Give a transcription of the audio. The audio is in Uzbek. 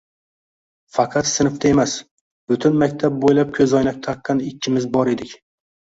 Faqat sinfda emas, butun maktab bo'ylab ko'zoynak taqqan ikkimiz bor edik